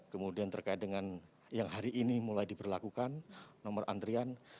kemudian terkait dengan yang hari ini mulai diberlakukan nomor antrian